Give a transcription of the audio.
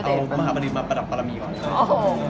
ผมดีกว่าสัดยีคิดว่ามันที่จะมาพนับปารัมิก่อนเลย